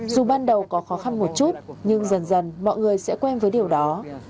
dù ban đầu có khó khăn một chút nhưng dần dần mọi người sẽ quen với điều đó